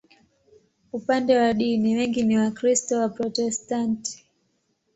Upande wa dini, wengi ni Wakristo Waprotestanti.